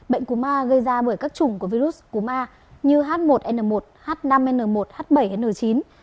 bệnh cú ma gây ra bởi các chủng của virus cú ma như h một n một h năm n một h bảy n chín